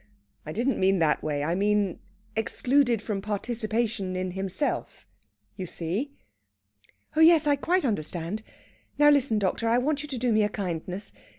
"I didn't mean that way. I meant excluded from participation in himself ... you see?" "Oh yes, I quite understand. Now listen, doctor. I want you to do me a kindness.